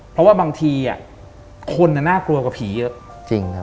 เพราะว่าบางทีคนน่ากลัวกว่าผีเยอะ